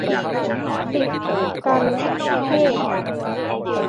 ติดกัณฑ์เทศน์